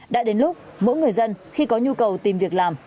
đã đến lúc mỗi người dân khi có nhu cầu tìm việc làm